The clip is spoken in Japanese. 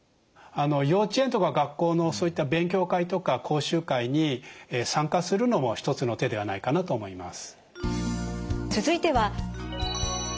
幼稚園とか学校のそういった勉強会とか講習会に参加するのも一つの手ではないかなと思います。